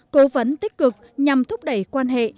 cố vấn tích cực nhằm thúc đẩy quan hệ